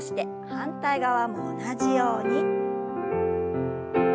反対側も同じように。